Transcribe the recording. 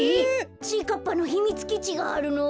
ちぃかっぱのひみつきちがあるの？